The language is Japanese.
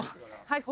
はい。